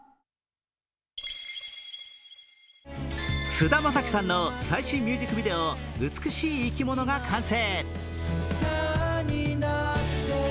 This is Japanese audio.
菅田将暉さんの最新ミュージックビデオ、「美しい生き物」が完成。